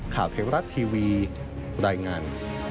ข่าวเทพรัชทีวีรายงาน